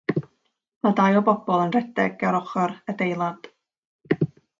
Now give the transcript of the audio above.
Mae dau o bobl yn rhedeg ger ochr adeilad.